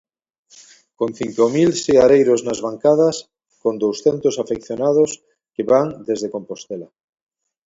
Con cinco mil seareiros nas bancadas, con douscentos afeccionados que van desde Compostela.